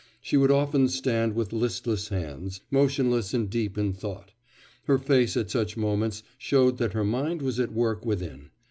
She would often stand with listless hands, motionless and deep in thought; her face at such moments showed that her mind was at work within....